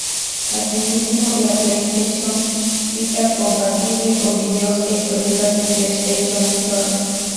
Asimismo, la PlayStation Vita compatible con videos e historietas de PlayStation Store.